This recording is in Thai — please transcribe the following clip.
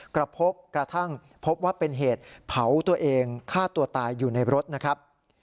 กระทบกระทั่งพบว่าเป็นเหตุเผาตัวเองฆ่าตัวตายอยู่ในรถนะครับ